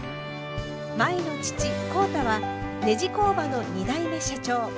舞の父浩太はネジ工場の２代目社長。